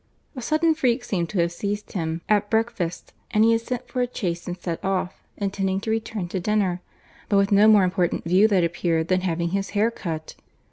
A sudden freak seemed to have seized him at breakfast, and he had sent for a chaise and set off, intending to return to dinner, but with no more important view that appeared than having his hair cut.